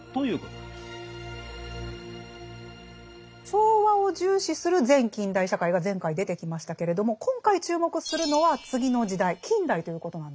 調和を重視する前近代社会が前回出てきましたけれども今回注目するのは次の時代近代ということなんですね。